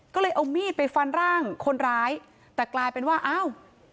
ก็เลยเอามีดไปฟันร่างคนร้ายแต่กลายเป็นว่าอ้าว